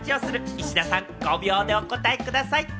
石田さん、５秒でお答えください。